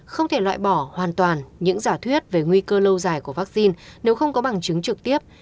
không thể loại bỏ hoàn toàn những giả thuyết về nguy cơ lâu dài của vaccine nếu không có bằng chứng trực tiếp